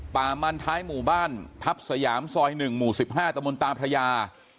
ป่ามันท้ายหมู่บ้านทัพสยามซอย๑หมู่๑๕ตะมนตาพระยา